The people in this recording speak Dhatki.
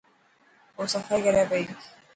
او صفائي ڪري پئي.